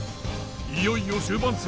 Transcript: いよいよ終盤戦。